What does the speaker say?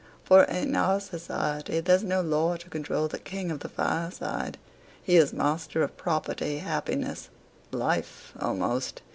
For in our society there's no law to control the King of the Fireside. He is master of property, happiness life almost.